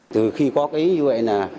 từ khi có cái như vậy là